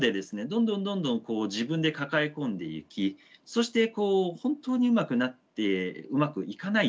どんどんどんどんこう自分で抱え込んでいきそしてこう本当にうまくなってうまくいかないとですね